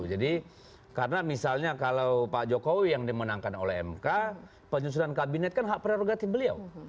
jadi karena misalnya kalau pak jokowi yang dimenangkan oleh mk penyusulan kabinet kan hak prerogatif beliau